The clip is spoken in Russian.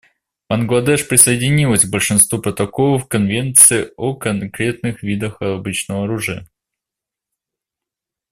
Бангладеш присоединилась к большинству протоколов к Конвенции о конкретных видах обычного оружия.